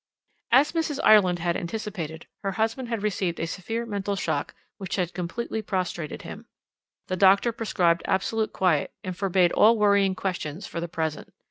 "As Mrs. Ireland had anticipated, her husband had received a severe mental shock which had completely prostrated him. The doctor prescribed absolute quiet, and forbade all worrying questions for the present.